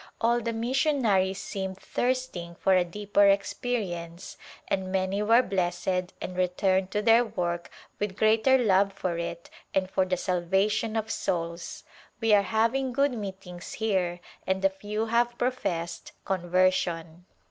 All the missionaries seemed thirsting for a deeper experience A Glimpse of hidia and many were blessed and returned to their work with greater love for it and for the salvation of souls. We are having good meetings here and a few have professed conversion.